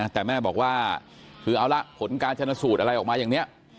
แต่แม่บอกว่าคือเอาละผลการชนสูตรอะไรออกมาอย่างนี้